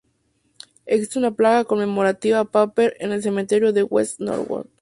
Existe una placa conmemorativa a Pepper en el cementerio de West Norwood.